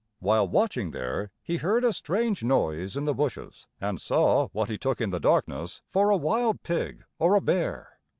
While watching there, he heard a strange noise in the bushes, and saw what he took in the darkness for a wild pig or a bear.